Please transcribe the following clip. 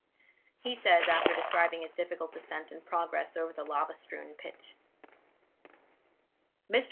He says, after describing his difficult descent and progress over the lava strewn pit: MR.